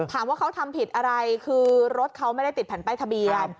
ถามว่าเขาทำผิดอะไรคือรถเขาไม่ได้ติดแผ่นป้ายทะเบียน